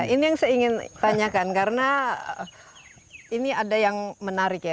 ini yang saya ingin tanyakan karena ini ada yang menarik ya